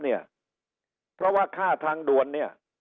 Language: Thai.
เนี่ยเพราะว่าค่าทางดวนเนี่ย